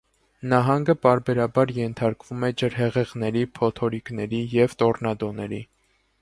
Նահանգը պարբերաբար ենթարկվում է ջրհեղեղների, փոթորիկների և տորնադոների։